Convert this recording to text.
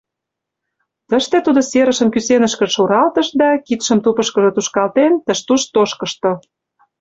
Тыште тудо серышым кӱсенышкыже шуралтыш да, кидшым тупышкыжо тушкалтен, тыш-туш тошкышто.